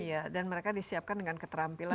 iya dan mereka disiapkan dengan keterampilan